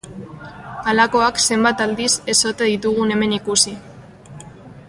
Halakoak zenbat aldiz ez ote ditugun hemen ikusi.